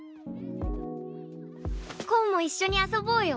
コウも一緒に遊ぼうよ